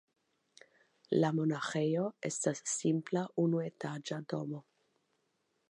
La monaĥejo estas simpla unuetaĝa domo.